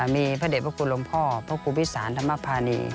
มีพระเด็จพระคุณหลวงพ่อพระครูวิสานธรรมภานี